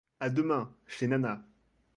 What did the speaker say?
A demain, chez Nana.